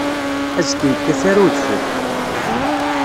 Azekka ur yekkat ara udfel.